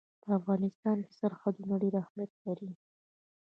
په افغانستان کې سرحدونه ډېر اهمیت لري.